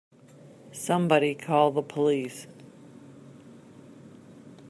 Somebody call the police!